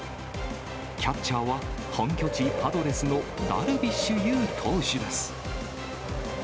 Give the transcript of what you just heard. キャッチャーは本拠地、パドレスのダルビッシュ有投手です。